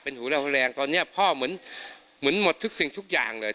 หูเราแรงตอนนี้พ่อเหมือนหมดทุกสิ่งทุกอย่างเลย